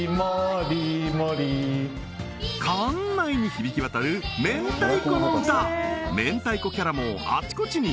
館内に響き渡る明太子の歌明太子キャラもあちこちに！